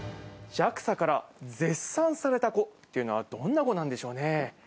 ＪＡＸＡから絶賛された子というのは、どんな子なんでしょうね。